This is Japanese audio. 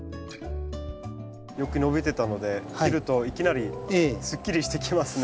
よく伸びてたので切るといきなりすっきりしてきますね。